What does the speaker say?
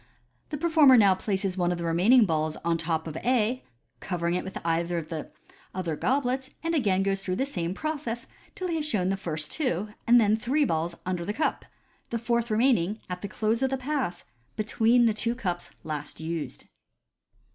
The performer now places one of the remaining balls on the top of A, covering it with either of the other goblets, and again goes through the same process till he has shown first two, and then three balls under the cup, the fourth remaining, at the close of the Pass, between the two cups last used.